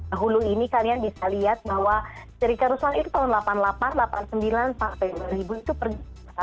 dahulu ini kalian bisa lihat bahwa terika ruswan itu tahun delapan puluh delapan delapan puluh sembilan sampai dua ribu itu pergi ke jakarta